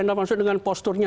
yang dimaksud dengan posturnya